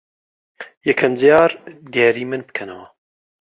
یەکەم جار دیاریی من بکەنەوە.